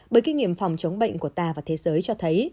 bởi kinh nghiệm phòng chống bệnh của ta và thế giới cho thấy